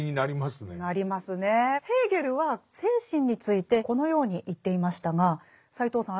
ヘーゲルは精神についてこのように言っていましたが斎藤さん